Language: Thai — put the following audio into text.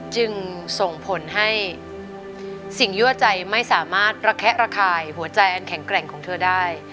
จึงส่งผลให้สิ่งยั่วใจไม่สามารถระแคะระคายหัวใจอันแข็งแกร่งของเธอได้